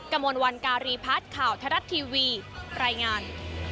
กระมวลวันการีพัฒน์ข่าวทรัฐทีวีรายงาน